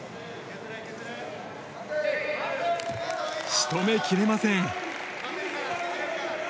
仕留めきれません。